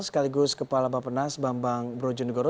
sekaligus kepala bapak penas bambang brojonegoro